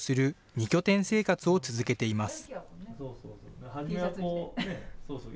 ２拠点生活を続けています。